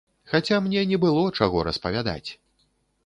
Хаця мне не было, чаго распавядаць!